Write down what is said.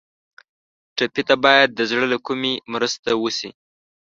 ټپي ته باید د زړه له کومي مرسته وشي.